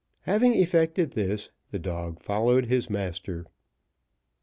Having effected this, the dog followed his master.